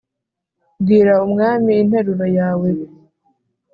Bwira Umwami interuro yawe